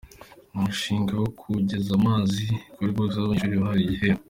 Umushinga wo kugeza amazi kuri bose w’abanyeshuri wahawe igihembo